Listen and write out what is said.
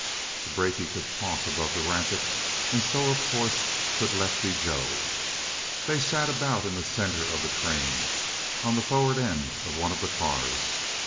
The brakie could talk above the racket, and so, of course, could Lefty Joe. They sat about in the center of the train, on the forward end of one of the cars.